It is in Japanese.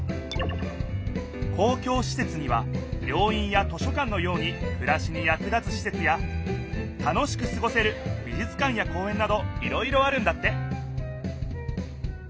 公共しせつには病院や図書館のようにくらしにやく立つしせつや楽しくすごせるびじゅつ館や公園などいろいろあるんだって！